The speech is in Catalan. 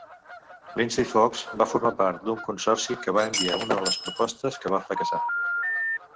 Lindsay Fox va formar part d'un consorci que va enviar una de les propostes que va fracassar.